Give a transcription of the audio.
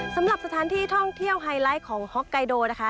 สำหรับสถานที่ท่องเที่ยวไฮไลท์ของฮอกไกโดนะคะ